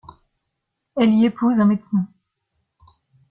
Elle y épouse un médecin.